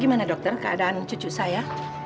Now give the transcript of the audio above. gimana dokter keadaan cucu saya